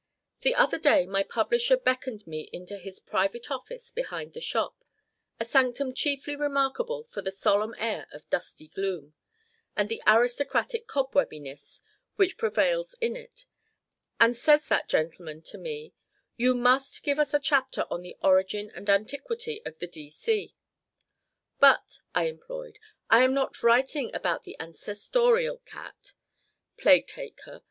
The other day my publisher beckoned me into his private office, behind the shop a sanctum chiefly remarkable for the solemn air of dusty gloom, and the aristocratic cobwebbiness, which prevails in it; and says that gentleman to me, "You must give us a chapter on the origin and antiquity of the D. C." "But," I implored, "I'm not writing about the ancestorial cat, plague take her!